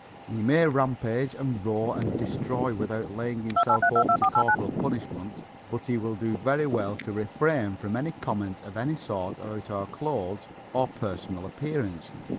He may rampage and roar and destroy without laying himself open to corporal punishment, but he will do very well to refrain from any comment of any sort about our clothes or personal appearance.